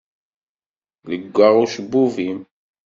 Leggaɣ ucebbub-im.